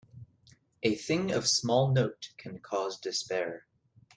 A thing of small note can cause despair.